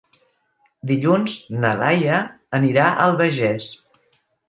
Dilluns na Laia anirà a l'Albagés.